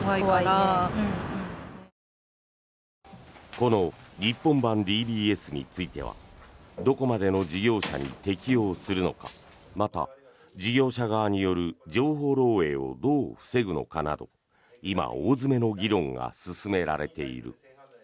この日本版ＤＢＳについてはどこまでの事業者に適用するのかまた、事業者側による情報漏えいをどう防ぐのかなど今、大詰めの議論が進められている。